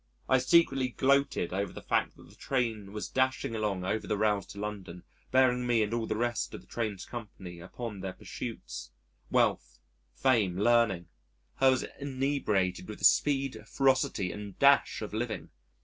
I secretly gloated over the fact that the train was dashing along over the rails to London bearing me and all the rest of the train's company upon their pursuits wealth, fame, learning. I was inebriated with the speed, ferocity, and dash of living....